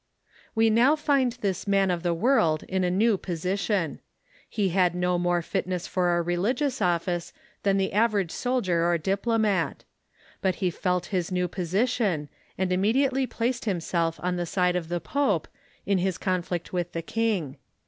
We now find this man of the world in a new position. He had no more fitness for a religious office than the average soldier or diplomat. But he felt his new position, and im mediately placed himself on the side of the pope, in his con flict with the king.